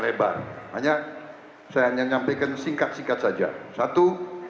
saya hanya menyampaikan singkat singkat saja satu